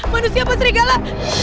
manusia pak srigala